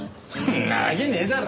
んなわけねえだろ。